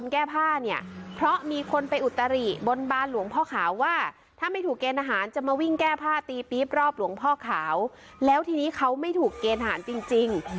เขาไม่ถูกเกณฑ์ทหารจริง